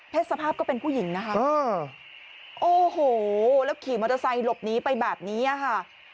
สภาพก็เป็นผู้หญิงนะคะโอ้โหแล้วขี่มอเตอร์ไซค์หลบหนีไปแบบนี้ค่ะ